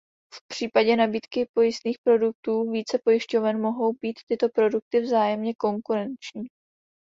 V případě nabídky pojistných produktů více pojišťoven mohou být tyto produkty vzájemně konkurenční.